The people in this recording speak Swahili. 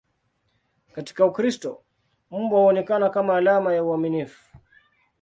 Katika Ukristo, mbwa huonekana kama alama ya uaminifu.